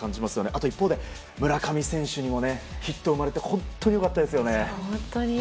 あと一方で村上選手にもヒットが生まれて本当に良かったです。